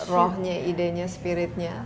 rohnya idenya spiritnya